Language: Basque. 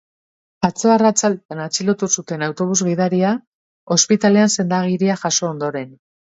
Atzo arratsaldean atxilotu zuten autobus-gidaria, ospitalean sendagiria jaso ondoren.